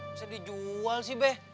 bisa dijual sih be